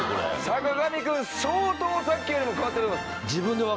坂上くん相当さっきよりも変わってる。